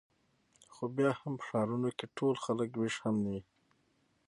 خو بیا هم په ښارونو کې چې ټول خلک وېښ هم وي.